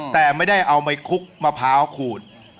แต่ไม่ได้เอาไม้คุกมะพร้าวขูด